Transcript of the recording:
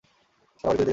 সারা বাড়ি খুঁজে দেখেছ?